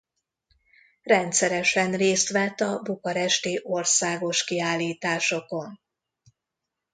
Rendszeresen részt vett a bukaresti országos kiállításokon.